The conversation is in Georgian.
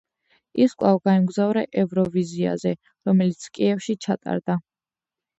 ის კვლავ გაემგზავრა ევროვიზიაზე, რომელიც კიევში ჩატარდა.